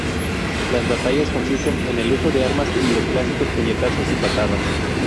Las batallas consisten en el uso de armas y los clásicos puñetazos y patadas.